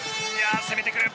攻めてくる。